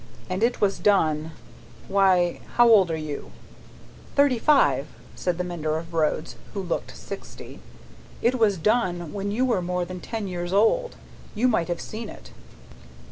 And it was done why, how old are you?" "Thirty five," said the mender of roads, who looked sixty. "It was done when you were more than ten years old; you might have seen it."